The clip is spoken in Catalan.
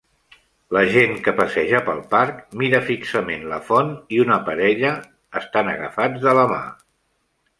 La gent que passeja pel parc mira fixament la font i un parella estan agafats de la mà.